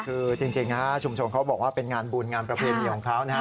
คือจริงชุมชนเขาบอกว่าเป็นงานบุญงานประเพณีของเขานะฮะ